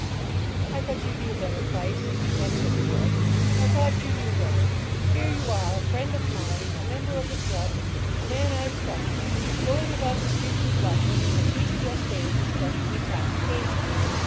"I thought you knew better, Price," that's what he said. "I thought you knew better. Here are you, a friend of mine, a member of the Club, a man I've trusted, going about the streets of London in a bestial state of disgusting intoxication.